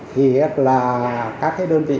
thì các cái đơn vị